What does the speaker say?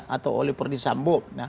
atau oleh pernisambo